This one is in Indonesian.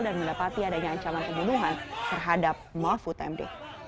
dan mendapati adanya ancaman pembunuhan terhadap mahfud md